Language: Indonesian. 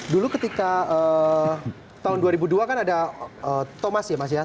dulu ketika tahun dua ribu dua kan ada thomas ya mas ya